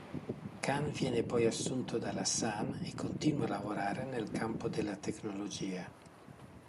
Kan viene poi assunto dalla Sun, e continua a lavorare nel campo della tecnologia.